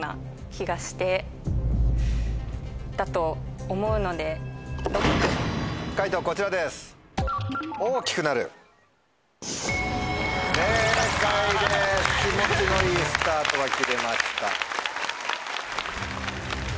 気持ちのいいスタートが切れました。